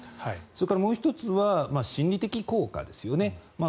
それから、もう１つは心理的効果ですよね。